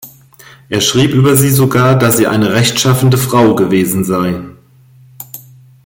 Er schrieb über sie sogar, dass „sie eine rechtschaffene Frau gewesen“ sei.